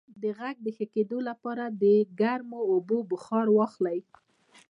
د غږ د ښه کیدو لپاره د ګرمو اوبو بخار واخلئ